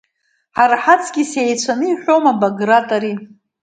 Ҳара ҳаҵкыс еицәаны иаҳәома, Баграт, ари.